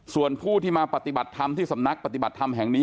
ส่วนผู้ที่มาปฏิบัติธรรมที่สำนักปฏิบัติธรรมแห่งนี้